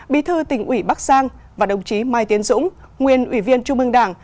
bí thư tỉnh ủy bắc giang và đồng chí mai tiến dũng nguyên ủy viên trung ương đảng